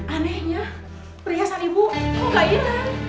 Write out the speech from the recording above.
anehnya perhiasan ibu kok gak iran